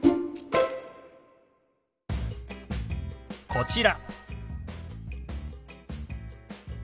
こちら。